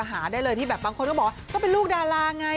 จะได้เลยที่แบบบางคนต้องบอกก็เป็นลูกดาลาไง